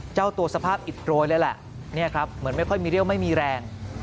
เจ้าตัวสภาพอิดโดรย์แล้วแหละเหมือนไม่ค่อยมีเรี่ยวว่าไม่มีแรง